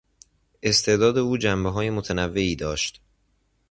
استعداد او جنبههای متنوعی داشت.